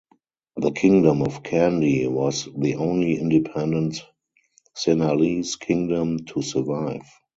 The Kingdom of Kandy was the only independent Sinhalese kingdom to survive.